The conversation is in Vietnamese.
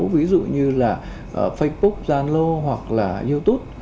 ví dụ như là facebook zalo hoặc là youtube